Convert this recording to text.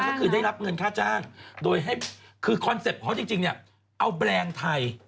ก็คือได้รับเงินค่าจ้างโดยให้คือคอนเซ็ปต์เขาจริงเนี่ยเอาแบรนด์ไทย